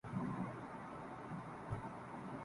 اب پتہ نہیں کہاں ہیں۔